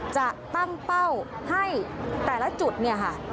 จะตั้งเป้าให้แต่ละจุดน่ะครับ